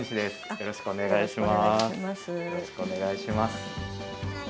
よろしくお願いします。